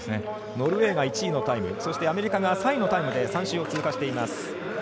ノルウェーが１位のタイムアメリカが３位のタイムで３周を通過しています。